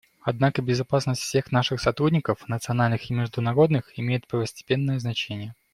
Однако безопасность всех наших сотрудников, национальных и международных, имеет первостепенное значение.